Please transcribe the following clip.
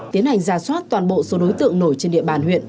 tiến hành ra soát toàn bộ số đối tượng nổi trên địa bàn huyện